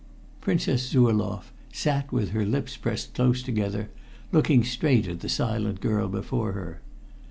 Princess Zurloff sat with her lips pressed close together, looking straight at the silent girl before her.